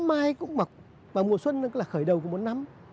tết trồng cây cũng mọc và mùa xuân là khởi đầu của một năm